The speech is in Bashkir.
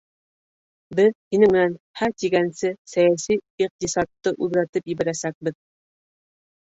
Беҙ һинең менән һә тигәнсе сәйәси иҡтисадты үҙгәртеп ебәрәсәкбеҙ.